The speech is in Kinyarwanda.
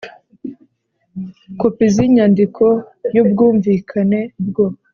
kopi z inyandiko y ubwumvikane bwo